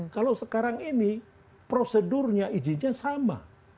kalau sekarang ini prosedurnya izinnya sama